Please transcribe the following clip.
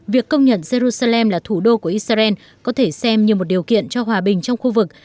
việc công nhận jerusalem là thủ đô của israel có thể xem như một điều kiện cho hòa bình trong khu vực